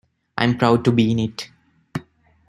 I'm proud to be in it.